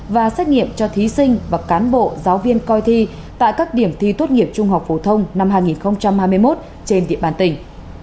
và xét nghiệm cho thí sinh và cán bộ giáo viên coi thi tại các điểm thi tốt nghiệp trung học phổ thông năm hai nghìn hai mươi một trên địa bàn tỉnh